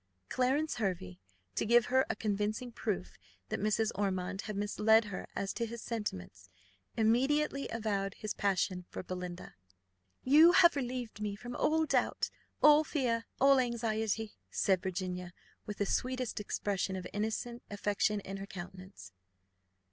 Clarence Hervey, to give her a convincing proof that Mrs. Ormond had misled her as to his sentiments, immediately avowed his passion for Belinda. "You have relieved me from all doubt, all fear, all anxiety," said Virginia, with the sweetest expression of innocent affection in her countenance.